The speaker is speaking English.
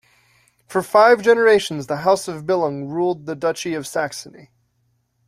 For five generations, the House of Billung ruled the Duchy of Saxony.